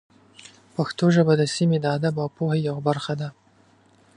پښتو ژبه د سیمې د ادب او پوهې یوه برخه ده.